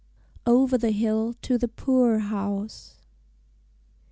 OVER THE HILL TO THE POOR HOUSE.